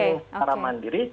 stringing secara mandiri